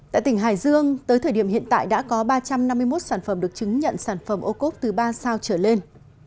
tại tỉnh hải dương tới thời điểm hiện tại đã có ba trăm năm mươi một sản phẩm được chứng nhận sản phẩm ô cốt từ ba sao trở lên